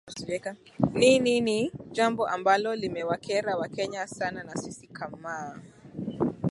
ni ni ni jambo ambalo limewakera wakenya sana na sisi kamaa